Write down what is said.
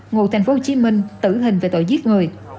ngụ thành phố hồ chí minh tử hình về tội giết người